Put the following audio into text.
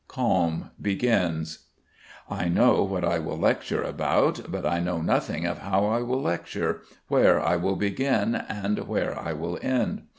Calm begins. I know what I will lecture about, but I know nothing of how I will lecture, where I will begin and where I will end.